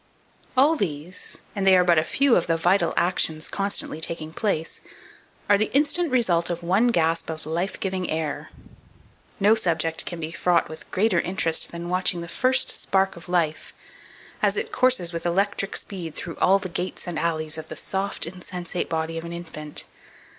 2452. All these and they are but a few of the vital actions constantly taking place are the instant result of one gasp of life giving air. No subject can be fraught with greater interest than watching the first spark of life, as it courses with electric speed "through all the gates and alleys" of the soft, insensate body of the infant.